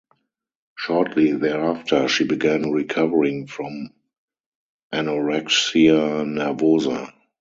Shortly thereafter, she began recovering from anorexia nervosa.